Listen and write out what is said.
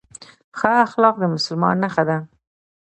ښه اخلاق د مسلمان نښه ده